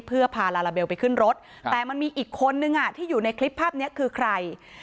เพื่อพาลาลาเบลไปขึ้นรถแต่มันมีอีกคนนึงที่อยู่ในคลิปภาพนี้คือใคร